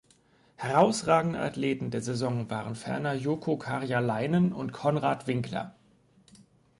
Herausragende Athleten der Saison waren ferner Jouko Karjalainen und Konrad Winkler.